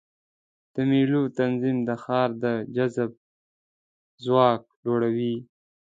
د مېلو تنظیم د ښار د جذب ځواک لوړوي.